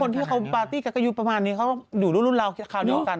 ที่เขาปาร์ตี้กันอายุประมาณนี้เขาอยู่รุ่นราวคราวเดียวกัน